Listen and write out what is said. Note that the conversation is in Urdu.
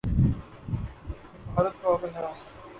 بھارت پاگل ہے